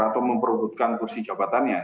atau memperbutkan kursi jabatannya